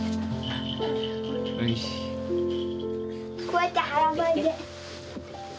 こうやって腹ばいで。